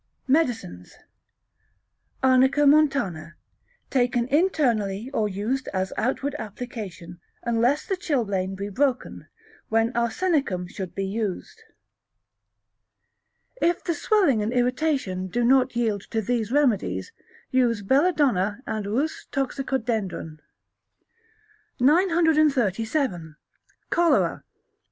Medicines. Arnica montana, taken internally or used as outward application, unless the chilblain be broken, when arsenicum should be used. If the swelling and irritation do not yield to these remedies use Belladona and Rhus toxicodendron. 937. Cholera. i.